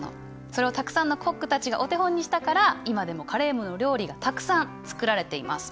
それをたくさんのコックたちがお手本にしたから今でもカレームの料理がたくさん作られています。